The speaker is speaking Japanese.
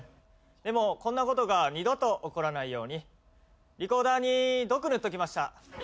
でもこんなことが二度と起こらないようにリコーダーに毒塗っときました。